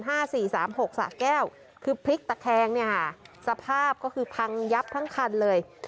สามหกสะแก้วคือพลิกตะแคงเนี่ยค่ะสภาพก็คือพังยับทั้งคันเลย